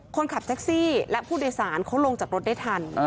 คนขับแท็กซี่และผู้โดยสารเขาลงจากรถได้ทัน